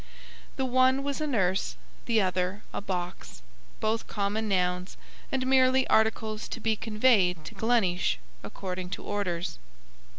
The one was a nurse; the other, a box, both common nouns, and merely articles to be conveyed to Gleneesh according to orders.